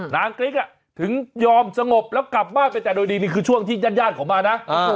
กริ๊กถึงยอมสงบแล้วกลับบ้านไปแต่โดยดีนี่คือช่วงที่ญาติเขามานะ